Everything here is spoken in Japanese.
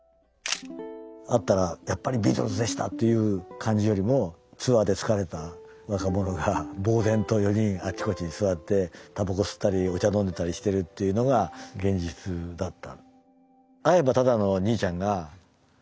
「会ったらやっぱりビートルズでした」という感じよりもツアーで疲れた若者がぼう然と４人あちこちに座ってタバコ吸ったりお茶飲んでたりしてるというのが現実だった。